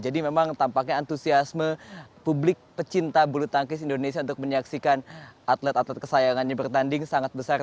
jadi memang tampaknya antusiasme publik pecinta bulu tangkis indonesia untuk menyaksikan atlet atlet kesayangannya bertanding sangat besar